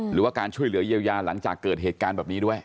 หรือว่าการช่วยเหลือเยียวยาหลังจากเกิดเหตุการณ์แบบนี้ด้วย